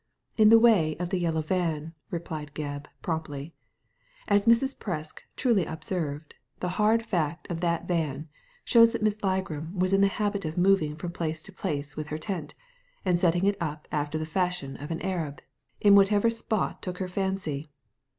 In the way of the yellow van," replied Gebb, promptly. "As Mrs. Presk truly observed, the hard fact of that van shows that Miss Ligram was in the habit of moving from place to place with her tent, and setting it up after the fashion of an Arab, in whatever spot took her fancy.